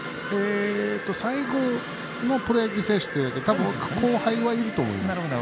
最後のプロ野球選手でたぶん、後輩は、いると思います。